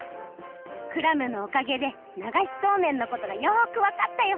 クラムのおかげでながしそうめんのことがよくわかったよ！